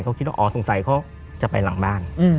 เขาคิดว่าอ๋อสงสัยเขาจะไปหลังบ้าน